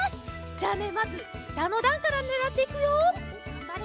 じゃあねまずしたのだんからねらっていくよ。がんばれ！